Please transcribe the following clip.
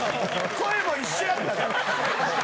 声も一緒やったで。